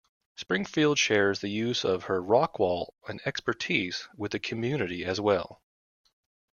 Springfield shares the use of her Rockwall and expertise with the community as well.